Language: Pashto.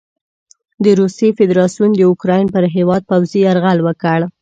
د روسیې فدراسیون د اوکراین پر هیواد پوځي یرغل وکړ.